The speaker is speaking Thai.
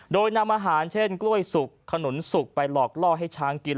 โดยนำอาหารเช่นกล้วยสุกขนุนสุกไปหลอกล่อให้ช้างกิน